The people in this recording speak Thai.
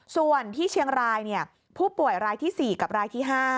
ส่วนที่เชียงรายผู้ป่วยรายที่๔กับรายที่๕